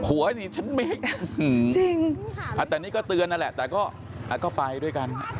อันนี้ก็เตือนนะแหละแต่ก็ไปด้วยกัน